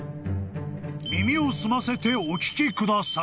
［耳を澄ませてお聞きください］